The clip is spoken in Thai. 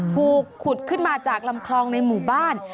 ถูกขุดขึ้นมาจากลำคลองในหมู่บ้าน